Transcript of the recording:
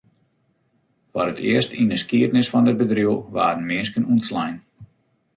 Foar it earst yn 'e skiednis fan it bedriuw waarden minsken ûntslein.